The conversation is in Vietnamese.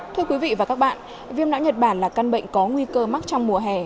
thưa quý vị và các bạn viêm não nhật bản là căn bệnh có nguy cơ mắc trong mùa hè